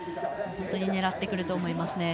本当に狙ってくると思います。